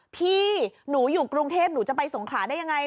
พี่หนูอยู่กรุงเทพหนูจะไปสงขาได้ยังไง